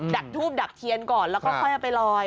ทูบดักเทียนก่อนแล้วก็ค่อยเอาไปลอย